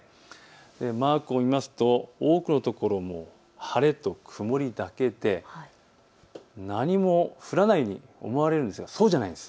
マークを見ますと多くのところ晴れと曇りだけで何も降らないように思われるんですが、そうじゃない。